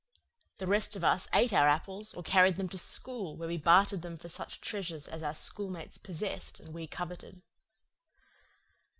The rest of us ate our apples, or carried them to school where we bartered them for such treasures as our schoolmates possessed and we coveted.